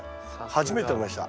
初めて食べました。